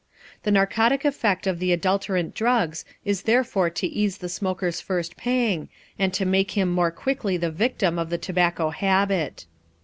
The narcotic effect of the adulterant drugs is therefore to ease the smoker's first pang and to make him more quickly the victim of the tobacco habit.